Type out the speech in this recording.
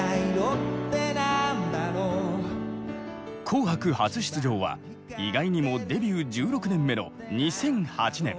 「紅白」初出場は意外にもデビュー１６年目の２００８年。